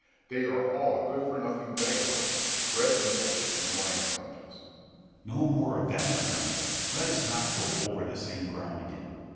They are all good for nothing vagabonds, bread weevils and winesponges. Scip. No more of that, Berganza; let us not go over the same ground again.